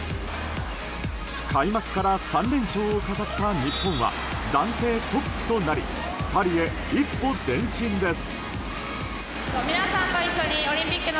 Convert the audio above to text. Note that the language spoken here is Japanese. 開幕から３連勝を飾った日本は暫定トップとなりパリへ一歩前進です。